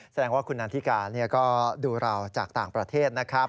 แสดงว่าคุณนันทิกาก็ดูเราจากต่างประเทศนะครับ